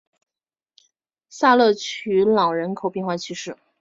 萨勒屈朗人口变化图示